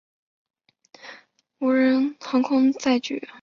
锐鸢无人机是为中华民国中科院研发制造的无人航空载具。